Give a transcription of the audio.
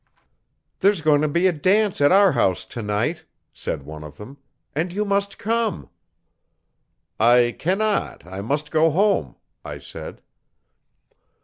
'There's going to be a dance at our house tonight,' said one of them, 'and you must come.' 'I cannot, I must go home,' I said.